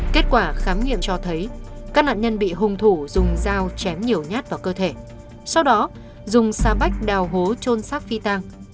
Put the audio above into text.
kết quả khám nghiệm cho thấy các nạn nhân bị hung thủ dùng dao chém nhiều nhát vào cơ thể sau đó dùng xà bách đào hố trôn xác phi tàng